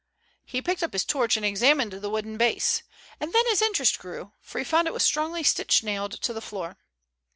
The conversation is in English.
He picked up his torch and examined the wooden base. And then his interest grew, for he found it was strongly stitch nailed to the floor.